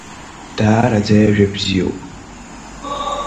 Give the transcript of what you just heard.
Даараӡа иажәа бзиоуп!